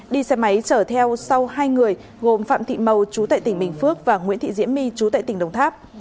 đi xe máy chở theo sau hai người gồm phạm thị màu chú tại tỉnh bình phước và nguyễn thị diễm my chú tại tỉnh đồng tháp